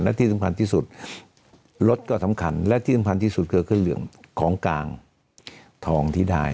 และที่สำคัญที่สุดรถก็สำคัญและที่สำคัญที่สุดคือเครื่องเหลือมของกลางทองที่ได้